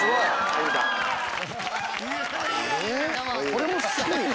これもすごいな。